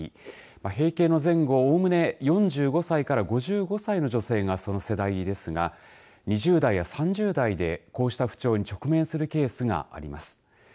閉経の前後おおむね４５歳から５５歳の女性がその世代ですが２０代や３０代でこうした不調に直面するケースがあります。